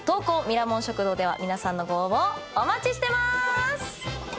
ミラモン食堂では皆さんのご応募をお待ちしてます。